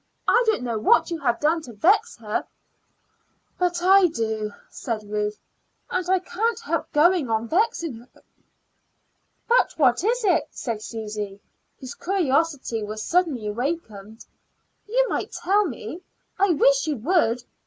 I don't know what you have done to vex her." "But I do," said Ruth. "And I can't help going on vexing her." "But what is it?" said Susy, whose curiosity was suddenly awakened. "You might tell me. I wish you would."